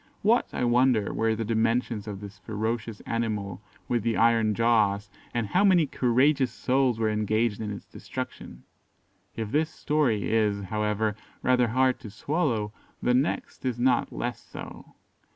What, I wonder, were the dimensions of this ferocious animal with the iron jaws; and how many courageous souls were engaged in its destruction. If this story is, however, rather hard to swallow, the next is not less so.